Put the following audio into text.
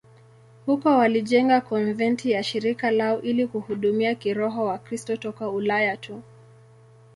Huko walijenga konventi ya shirika lao ili kuhudumia kiroho Wakristo toka Ulaya tu.